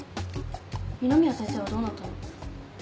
二宮先生はどうなったの？